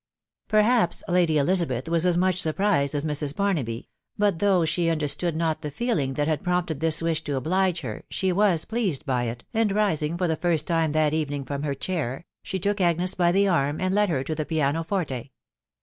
Perhaps Lady Elizabeth was as much surprised as Mrs.Bar naby; but though she understood not the feeling that had prompted this wish to oblige her, she was pleased by it, and rising for the first time that evening from her chair, she took Agnes by the arm, and led her to the piano forte.